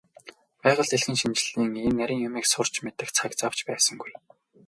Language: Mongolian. Байгаль дэлхийн шинжлэлийн ийм нарийн юмыг сурч мэдэх цаг зав ч байсангүй.